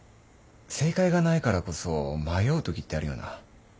正解がないからこそ迷うときってあるよな。